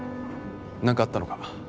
何かあったのか？